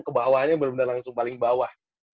ke bawahnya bener bener langsung paling bawah